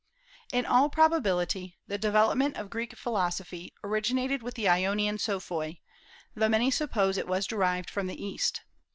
In all probability the development of Greek philosophy originated with the Ionian Sophoi, though many suppose it was derived from the East.